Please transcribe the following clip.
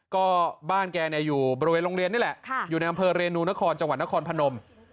ก็บ้านแกอยู่บริเวณโรงเรียนนี่แหละอยู่ในอำเภอเรนูนครจังหวัดนครพนม